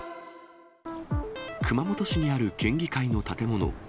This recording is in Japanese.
熊本市にある県議会の建物。